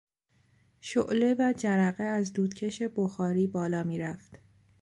شعله و جرقه از دودکش بخاری بالا میرفت.